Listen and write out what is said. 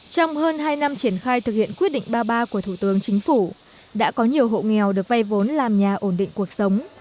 trong hơn hai năm triển khai thực hiện quyết định ba mươi ba của thủ tướng chính phủ đã có nhiều hộ nghèo được vay vốn làm nhà ổn định cuộc sống